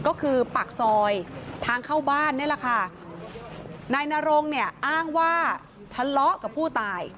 ก็คือปากซอยทางเข้าบ้านนี่แหละค่ะนายนรงเนี่ยอ้างว่าทะเลาะกับผู้ตาย